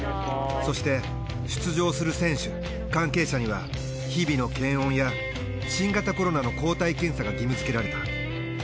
そして出場する選手関係者には日々の検温や新型コロナの抗体検査が義務づけられた。